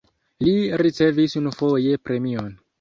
Li ricevis unufoje premion.